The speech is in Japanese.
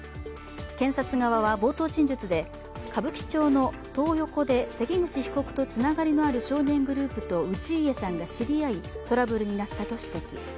検察側は冒頭陳述で歌舞伎町のトー横で関口被告とつながりのある少年グループと氏家さんが知り合いトラブルになったと指摘。